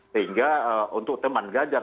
sehingga untuk teman ganjar